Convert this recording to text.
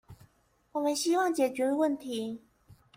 我們希望解決問題